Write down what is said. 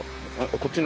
こっちの。